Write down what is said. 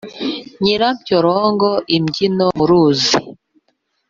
nyirampyorongo-imbyiro mu ruzi